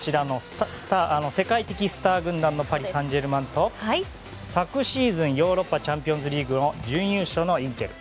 世界的スター軍団のパリ・サンジェルマンと昨シーズン、ヨーロッパチャンピオンズリーグの準優勝のインテル。